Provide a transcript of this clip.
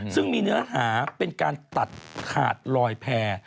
ซึ่งมีเนื้อหาเป็นการตัดขาดลอยแพร่